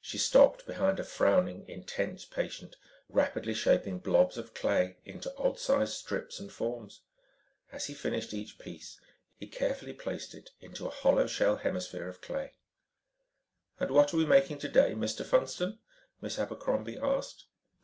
She stopped behind a frowning, intense patient, rapidly shaping blobs of clay into odd sized strips and forms. As he finished each piece, he carefully placed it into a hollow shell hemisphere of clay. "And what are we making today, Mr. Funston?" Miss Abercrombie asked.